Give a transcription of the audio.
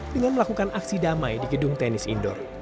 dengan melakukan aksi damai di gedung tenis indoor